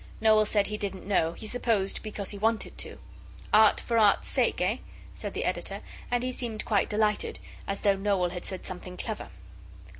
Noel said he didn't know; he supposed because he wanted to. 'Art for Art's sake, eh?' said the Editor, and he seemed quite delighted, as though Noel had said something clever.